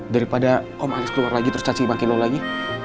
daripada om anies keluar lagi terus cacing makin lo lagi